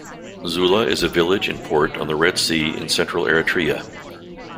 Zula is a village and port on the Red Sea in central Eritrea.